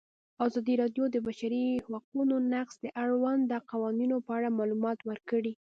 ازادي راډیو د د بشري حقونو نقض د اړونده قوانینو په اړه معلومات ورکړي.